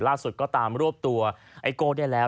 ล่าสุดก็ตามรวบตัวไอ้โก้ได้แล้ว